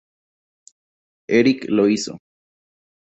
Eric lo hizo.